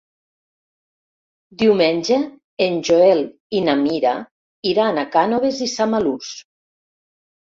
Diumenge en Joel i na Mira iran a Cànoves i Samalús.